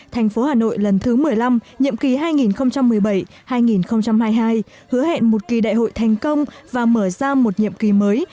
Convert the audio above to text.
thành phố hà nội lần thứ một mươi năm nhiệm kỳ hai nghìn một mươi bảy hai nghìn hai mươi hai hứa hẹn một kỳ đại hội thành công và mở ra một nhiệm kỳ mới